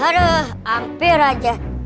harrgg hampir aja